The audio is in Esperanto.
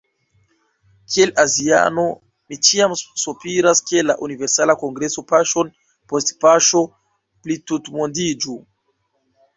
Kiel aziano mi ĉiam sopiras ke la Universala Kongreso paŝon post paŝo plitutmondiĝu.